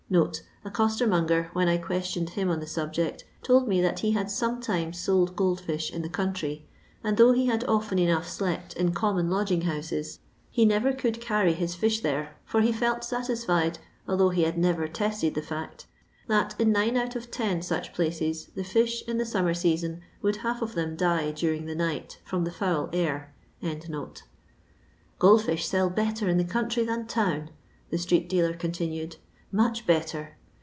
[A costermonger, when I questioned him on the subject, told me that he had sometimes sold gold fish ill the country, and though he had often enough slept in common lodging houses, he never oonld carry bis fish there, for he felt satis fied, although he had never tested the fact, that in nine out of ten such places, the fish, in the summer season, would half of them die during the night from the foul air.] " Gold fish sell better in the eonntry than town," the street dealer continued ;much better.